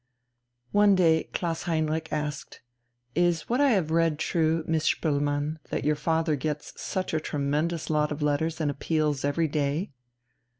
One day Klaus Heinrich asked: "Is what I have read true, Miss Spoelmann, that your father gets such a tremendous lot of letters and appeals every day?"